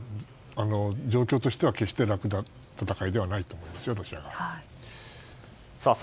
状況としては決して楽な戦いではないと思いますよ